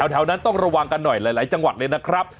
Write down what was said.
แถวนั้นต้องระวังกันหน่อยหลายจังหวัดเลยนะครับ